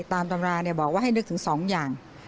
ตามตำราบอกว่าให้นึกถึง๒อย่าง